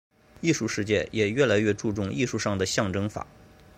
艺术世界也越来越注重艺术上的象征法。